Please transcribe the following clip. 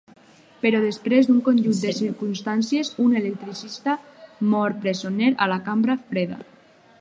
Però després d'un conjunt de circumstàncies, un electricista mor presoner a la cambra freda.